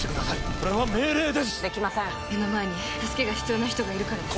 これは命令ですできません目の前に助けが必要な人がいるからです・